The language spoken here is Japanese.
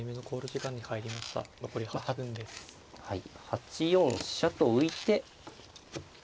８四飛車と浮いて。